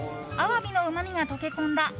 アワビのうまみが溶け込んだ